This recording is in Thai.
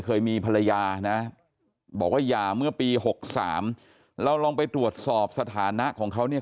เคยมีภรรยานะบอกว่าอย่าเมื่อปีหกสามเราลองไปตรวจสอบสถานะของเขาเนี่ย